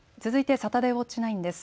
サタデーウオッチ９です。